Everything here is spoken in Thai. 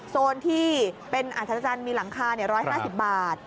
โซนที่เป็นอรรทจันทร์มีหลังคา๑๕๐บาท